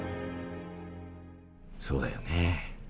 そうだよね。